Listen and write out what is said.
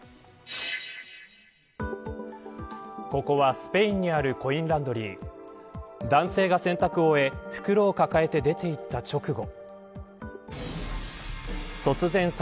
ここはスペインにあるコインランドリー男性が洗濯を終え、袋を抱えて出て行った直後。